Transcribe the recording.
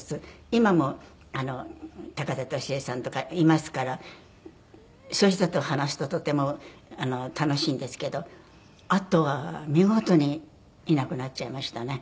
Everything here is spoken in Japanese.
今も高田敏江さんとかいますからそういう人と話すととても楽しいんですけどあとは見事にいなくなっちゃいましたね。